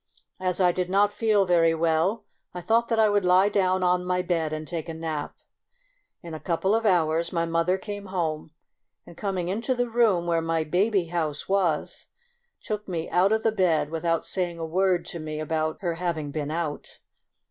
As I did not feel very well, I thought that I would lie down on my bed and take a nap. In a couple of hours my mother came home, and coming into the room where my baby house was, took me out of the COUNTRY DOLL. 23 bed, without saying a word to me about her having been out.